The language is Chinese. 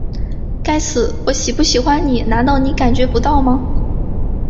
该死，我喜不喜欢你难道你感觉不到吗?